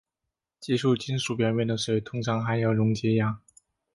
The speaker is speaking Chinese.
接触金属表面的水通常含有溶解氧。